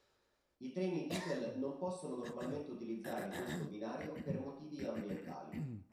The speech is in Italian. I treni diesel non possono normalmente utilizzare questo binario per motivi ambientali.